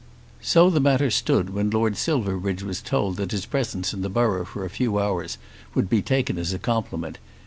So the matter stood when Lord Silverbridge was told that his presence in the borough for a few hours would be taken as a compliment.